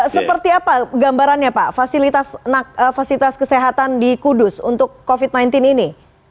seperti apa gambarannya pak fasilitas kesehatan di kudus untuk covid sembilan belas ini